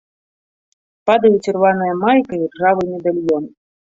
Падаюць ірваная майка і ржавы медальён.